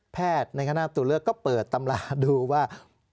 แพทย์ในคณะอำการตัวเลือกก็เปิดตำราดูว่า